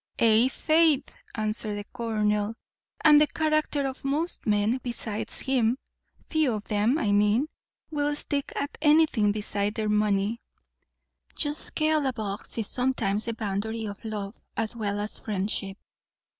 "Ay, faith," answered the colonel, "and the character of most men besides him. Few of them, I mean, will stick at anything beside their money. Jusque a la Bourse is sometimes the boundary of love as well as friendship.